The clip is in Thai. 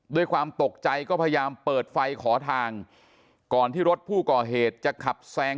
ด้วยความตกใจก็พยายามเปิดไฟขอทางก่อนที่รถผู้ก่อเหตุจะขับแซง